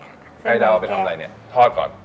ให้เราเอาไปทำอะไรเนี่ยทอดก่อน